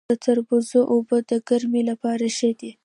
د تربوز اوبه د ګرمۍ لپاره ښې دي.